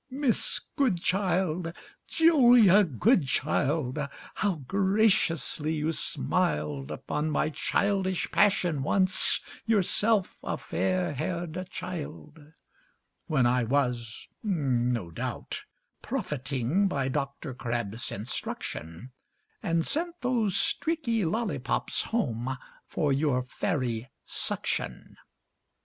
Miss Goodchild! ŌĆöJulia Goodchild! ŌĆöhow graciously you smiled Upon my childish passion once, yourself a fair haired child: When I was (no doubt) profiting by Dr. CrabbŌĆÖs instruction, And sent those streaky lollipops home for your fairy suction!